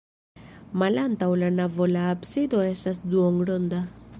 Malantaŭ la navo la absido estas duonronda.